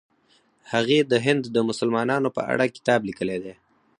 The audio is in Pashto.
هغې د هند د مسلمانانو په اړه کتاب لیکلی دی.